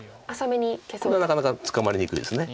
これはなかなか捕まりにくいです。